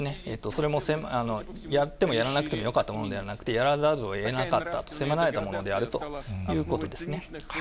それも、やってもやらなくてもよかったものではなくて、やらざるをえなかった、迫られたものであるということですね。